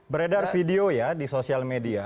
beredar video ya di sosial media